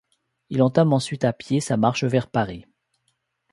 Il entame ensuite, à pied, sa marche vers Paris.